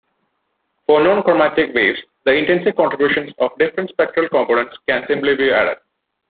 For non-monochromatic waves, the intensity contributions of different spectral components can simply be added.